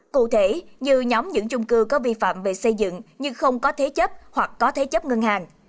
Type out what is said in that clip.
cụ thể như nhóm những chung cư có vi phạm về xây dựng nhưng không có thế chấp hoặc có thế chấp ngân hàng